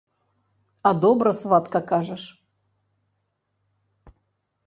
А добра, сватка, кажаш.